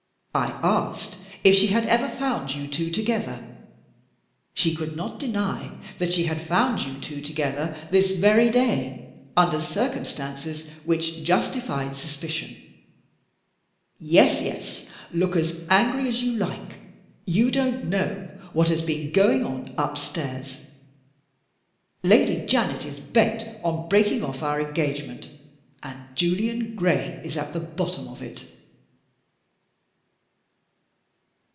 I asked if she had ever found you two together. She could not deny that she had found you together, this very day, under circumstances which justified suspicion. Yes! yes! Look as angry as you like! you don't know what has been going on upstairs. Lady Janet is bent on breaking off our engagement and Julian Gray is at the bottom of it."